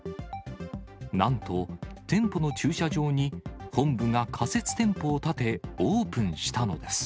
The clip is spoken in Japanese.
なんと、店舗の駐車場に本部が仮設店舗を建て、オープンしたのです。